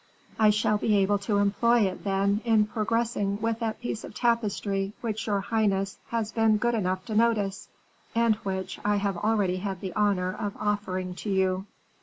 "I shall be able to employ it, then, in progressing with that piece of tapestry which your highness has been good enough to notice, and which I have already had the honor of offering to you."